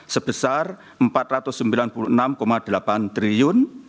sebesar rp empat ratus sembilan puluh enam delapan triliun